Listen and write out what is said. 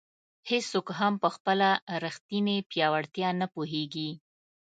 هیڅوک هم په خپله ریښتیني پیاوړتیا نه پوهېږي.